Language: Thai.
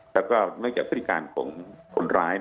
แล้วก็เนอะไกรศาสตรีการของคนร้าย